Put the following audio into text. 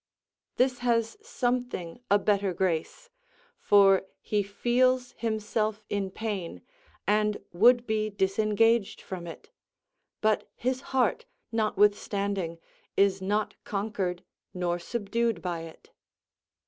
This has something a better grace, for he feels himself in pain, and would be disengaged from it; but his heart, notwithstanding, is not conquered nor subdued by it.